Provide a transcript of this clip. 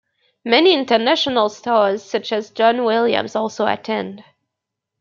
Many international stars, such as John Williams, also attend.